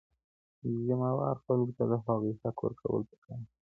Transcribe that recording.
ذمه وارو خلګو ته د هغوی حق ورکول پکار دي.